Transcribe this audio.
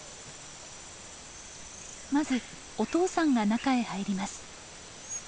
まずお父さんが中へ入ります。